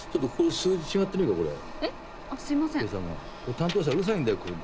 担当者うるさいんだよ。